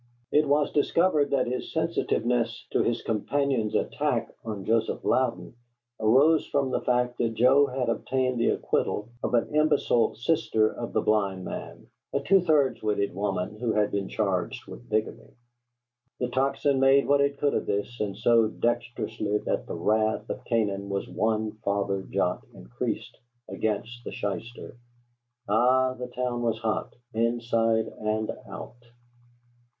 It was discovered that his sensitiveness to his companion's attack on Joseph Louden arose from the fact that Joe had obtained the acquittal of an imbecile sister of the blind man, a two thirds witted woman who had been charged with bigamy. The Tocsin made what it could of this, and so dexterously that the wrath of Canaan was one farther jot increased against the shyster. Ay, the town was hot, inside and out.